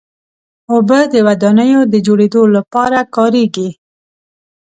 اوبه د ودانیو د جوړېدو لپاره کارېږي.